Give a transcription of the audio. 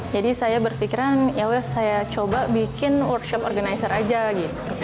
jadi saya berpikiran yaudah saya coba bikin workshop organizer aja gitu